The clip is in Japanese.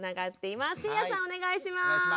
お願いします。